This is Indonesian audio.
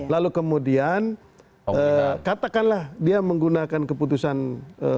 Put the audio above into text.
lalu kemudian katakanlah dia menggunakan keputusan makamah kormatan dewan